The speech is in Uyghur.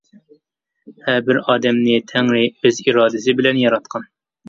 ھەر بىر ئادەمنى تەڭرى ئۆز ئىرادىسى بىلەن ياراتقان.